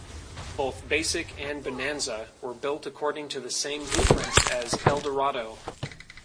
Both Basic and Bonanza were built according to the same blueprints as Eldorado.